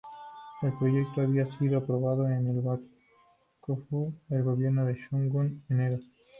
El proyecto había sido aprobado por el Bakufu, el gobierno del Shogun en Edo.